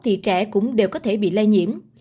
thì trẻ cũng đều có thể bị lây nhiễm